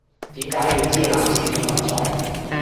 點解要知男廁點運作